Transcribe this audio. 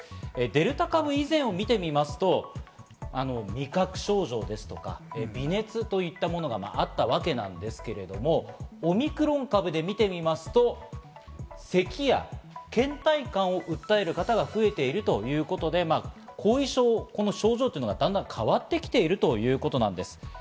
デルタ株以前を見てみますと、味覚障害ですとか、微熱といったものがあったわけなんですが、オミクロン株で見てみますと、咳や倦怠感を訴える方が増えているということで、後遺症の症状がだんだん変わってきているということなんです。